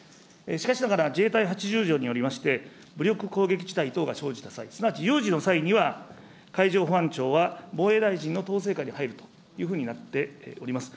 しかしながら、自衛隊８０条によりまして、武力攻撃事態等が生じた際、すなわち有事の際には、海上保安庁は防衛大臣の統制下に入るというふうになっております。